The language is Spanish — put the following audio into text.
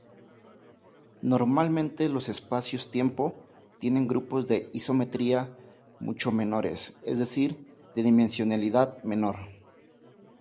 Normalmente los espacios-tiempo tienen grupos de isometría mucho menores, es decir, de dimensionalidad menor.